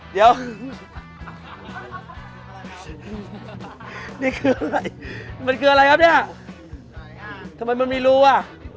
เดี๋ยวนี่คืออะไรมันคืออะไรครับเนี่ยทำไมมันมีรูอ่ะ